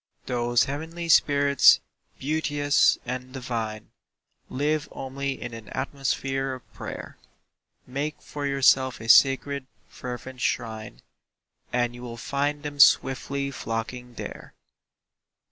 Those heavenly spirits, beauteous and divine, Live only in an atmosphere of prayer; Make for yourself a sacred, fervent shrine, And you will find them swiftly flocking there.